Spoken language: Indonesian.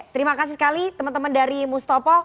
terima kasih sekali teman teman dari mustopo